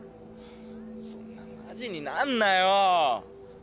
そんなマジになんなよ。